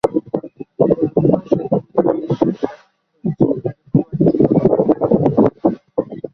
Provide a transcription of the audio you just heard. কলকাতা সেদিন যে দৃশ্যের সাক্ষী হয়েছিল এরকম আর কখনো হবেনা।